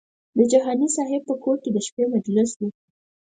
د جهاني صاحب په کور کې د شپې مجلس و.